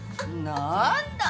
なんだ。